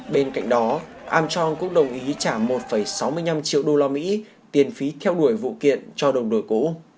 trong đó landis cũng đồng ý trả một sáu mươi năm triệu đô la mỹ tiền phí theo đuổi vụ kiện cho đồng đội cũ